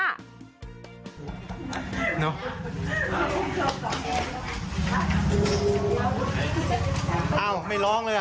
อ้าวไม่ร้องเลยอ่ะ